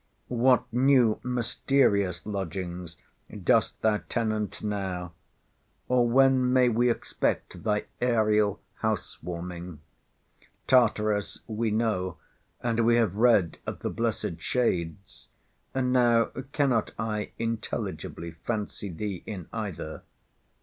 What new mysterious lodgings dost thou tenant now? or when may we expect thy aërial house warming? Tartarus we know, and we have read of the Blessed Shades; now cannot I intelligibly fancy thee in either.